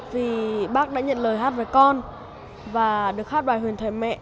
vì bác đã nhận lời hát với con và được hát bài huyền thầy mẹ